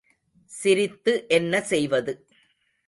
சிரித்து என்ன செய்வது?